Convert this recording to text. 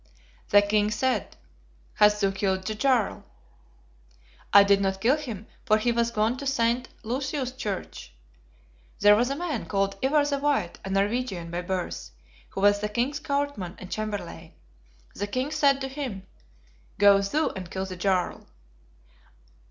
The King said, 'Hast thou killed the Jarl?' 'I did not kill him, for he was gone to St. Lucius's church.' There was a man called Ivar the White, a Norwegian by birth, who was the King's courtman and chamberlain. The King said to him, 'Go thou and kill the Jarl.'